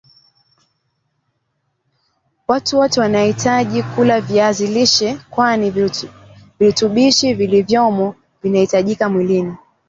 Watu wote wanahitaji kula viazi lishe kwani virutubishi vilivyomo vinahitajika mwilini